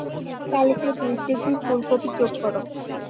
তালিকায় দুই কেজি ফুলকপি যোগ করো।